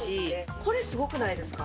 これ、すごくないですか。